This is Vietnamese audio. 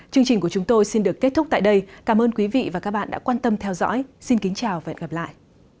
chương trình của chúng tôi xin được kết thúc tại đây cảm ơn quý vị và các bạn đã quan tâm theo dõi xin kính chào và hẹn gặp lại